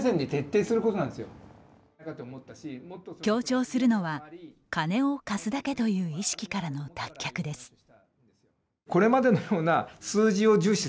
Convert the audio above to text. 強調するのは、金を貸すだけという意識からの脱却です。